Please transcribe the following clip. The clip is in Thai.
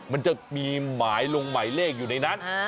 มันจะมีหมายลงหมายเลขอยู่ในนั้น